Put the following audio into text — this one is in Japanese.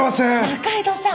仲井戸さん！